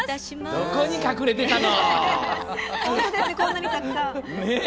どこに隠れてたの？